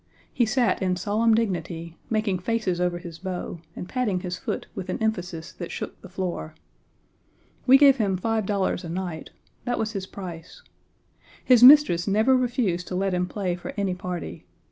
He sat in solemn dignity, making faces over his bow, and patting his foot with an emphasis that shook the floor. We gave him five dollars a night; that was his price. His mistress never refused to let him play for any party.